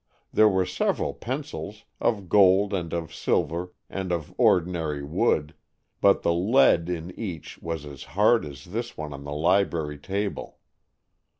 There were several pencils, of gold and of silver and of ordinary wood, but the lead in each was as hard as this one on the library table.